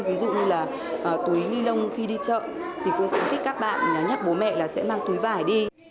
ví dụ như là túi ni lông khi đi chợ thì cũng khuyến khích các bạn nhắc bố mẹ là sẽ mang túi vải đi